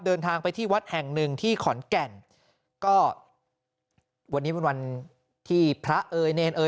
เดินทางไปที่วัดแห่งหนึ่งที่ขอนแก่นก็วันนี้เป็นวันที่พระเอ๋ยเนรเอย